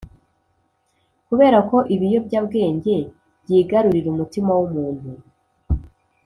. Kubera ko ibiyobyabwenge byigarurira umutima w’umuntu,